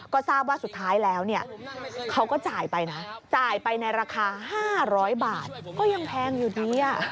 ก็ทราบว่าสุดท้ายแล้วเนี่ยเขาก็จ่ายไปนะจ่ายไปในราคา๕๐๐บาทก็ยังแพงอยู่ดี